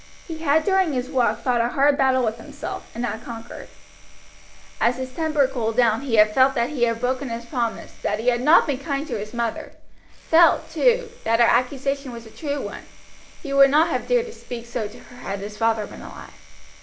He had during his walk fought a hard battle with himself, and had conquered. As his temper cooled down he had felt that he had broken his promise, that he had not been kind to his mother; felt, too, that her accusation was a true one he would not have dared to speak so to her had his father been alive.